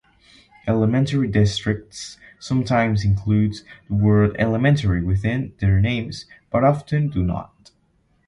Elementary districts sometimes includes the word Elementary within their names, but often do not.